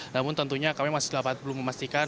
namun tentunya kami masih belum dapat memastikan